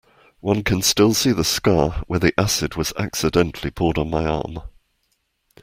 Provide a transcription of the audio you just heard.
One can still see the scar where the acid was accidentally poured on my arm.